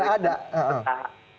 hahaha jadi tidak ada